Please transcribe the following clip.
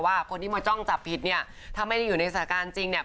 ว่าคนที่มาจ้องจับผิดเนี่ยถ้าไม่ได้อยู่ในสถานการณ์จริงเนี่ย